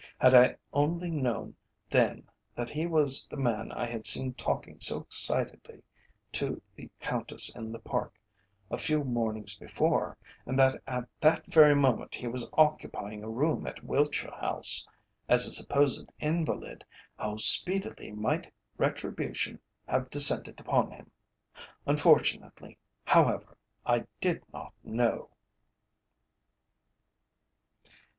Had I only known then that he was the man I had seen talking so excitedly to the Countess in the Park, a few mornings before, and that at that very moment he was occupying a room at Wiltshire House, as a supposed invalid, how speedily might retribution have descended upon him. Unfortunately, however, I did not know!